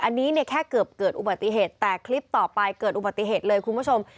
อันนี้เนี่ยแค่เกือบเกิดอุบัติเหตุแต่คลิปต่อไปเกิดอุบัติเหตุเลยคุณผู้ชม